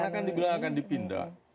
karena kan dibilang akan dipindah